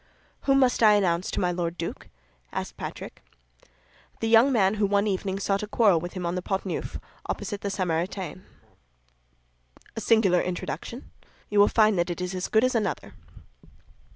"Whom must I announce to my Lord Duke?" asked Patrick. "The young man who one evening sought a quarrel with him on the Pont Neuf, opposite the Samaritaine." "A singular introduction!" "You will find that it is as good as another."